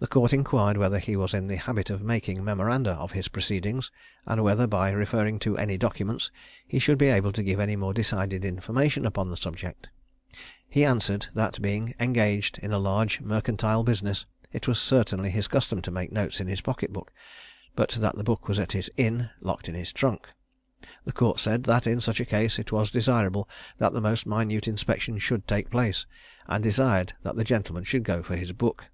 The court inquired whether he was in the habit of making memoranda of his proceedings, and whether, by referring to any documents, he should be able to give any more decided information upon the subject? He answered, that being engaged in a large mercantile business it was certainly his custom to make notes in his pocket book, but that the book was at his inn, locked in his trunk. The court said that in such a case it was desirable that the most minute inspection should take place, and desired that the gentleman should go for his book.